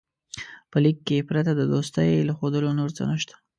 په لیک کې پرته د دوستۍ له ښودلو نور څه نسته.